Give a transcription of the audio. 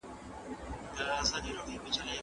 ولي د رواني روغتیا ستونزو ته باید جدي پاملرنه وشي؟